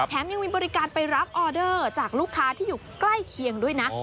ยังมีบริการไปรับออเดอร์จากลูกค้าที่อยู่ใกล้เคียงด้วยนะ